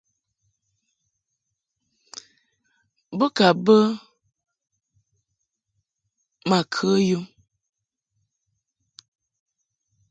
Bo ka bə ma kə yum.